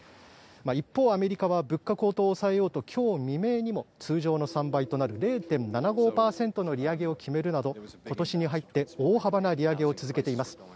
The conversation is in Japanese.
一方、アメリカは物価高騰を抑えようと今日未明にも通常の３倍となる０．７５％の利上げを決めるなど今年に入って大幅な利上げを続けています。